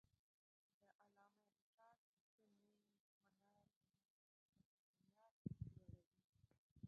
د علامه رشاد لیکنی هنر مهم دی ځکه چې معیار لوړوي.